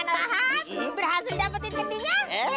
bagaimana rahat berhasil dapetin kendinya